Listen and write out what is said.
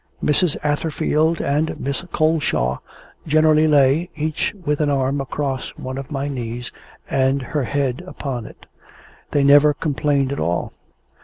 Mrs. Atherfield and Miss Coleshaw generally lay, each with an arm across one of my knees, and her head upon it. They never complained at all.